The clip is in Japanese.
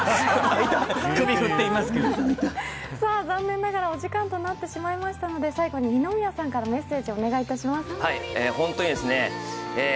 残念ながらお時間となってしまいましたので、最後に二宮さんからメッセージをお願いいたします。